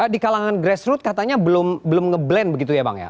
di kalangan grassroot katanya belum nge blend begitu ya bang ya